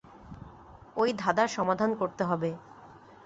ওই ধাঁধার সমাধান করতে হবে।